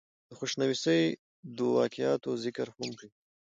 دَخوشنويسۍ دَواقعاتو ذکر هم کوي ۔